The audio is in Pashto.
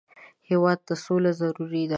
هېواد ته سوله ضروري ده